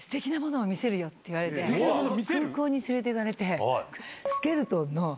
空港に連れて行かれて。